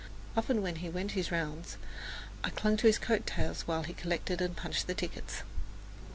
Often when he went his rounds I clung to his coat tails while he collected and punched the tickets.